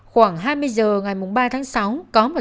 khoảng hai mươi giờ ngày ba tháng sáu có một thay đổi